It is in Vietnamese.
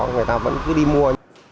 người ta vẫn cứ đi mua